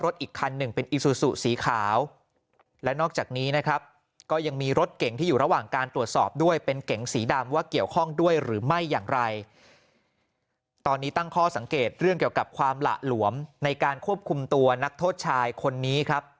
ตอนนี้ตั้งข้อสังเกตเรื่องเกี่ยวกับความหละหลวมในการควบคุมตัวนักโทษชายคนนี้ครับ